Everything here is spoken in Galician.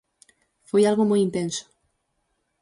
Foi algo moi intenso.